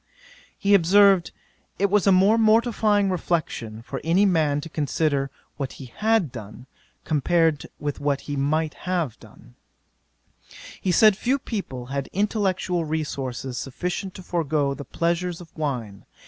'He observed, "it was a most mortifying reflexion for any man to consider, what he had done, compared with what he might have done." 'He said few people had intellectual resources sufficient to forego the pleasures of wine.